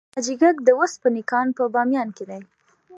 د حاجي ګک د وسپنې کان په بامیان کې دی